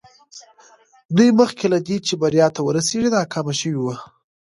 دوی مخکې له دې چې بريا ته ورسېږي ناکام شوي وو.